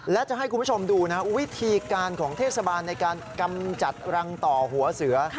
และจะให้คุณผู้ชมดูนะวิธีการของเทศบาลในการกำจัดรังต่อหัวเสือ